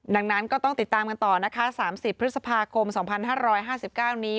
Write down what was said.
ดังนั้นก็ต้องติดตามกันต่อนะคะ๓๐พฤษภาคม๒๕๕๙นี้